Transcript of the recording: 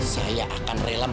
saya akan memperalatnya